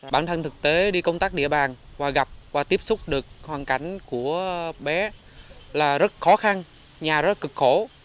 bản thân thực tế đi công tác địa bàn và gặp và tiếp xúc được hoàn cảnh của bé là rất khó khăn nhà rất cực khổ